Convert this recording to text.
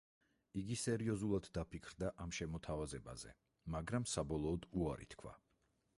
იგი სერიოზულად დაფიქრდა ამ შემოთავაზებაზე, მაგრამ საბოლოოდ უარი თქვა.